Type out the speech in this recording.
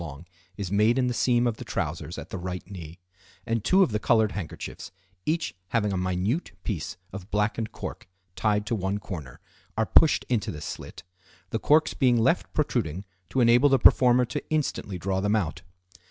long is made in the seam of the trousers at the right knee, and two of the colored handkerchiefs, each having a minute piece of blackened cork tied to one corner, are pushed into this slit, the corks being left protruding to enable the performer to instantly draw them out.